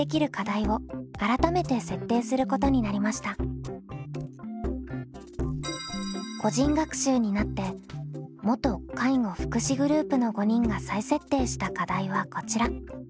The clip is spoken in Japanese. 密を避けるために個人学習になって元介護・福祉グループの５人が再設定した課題はこちら。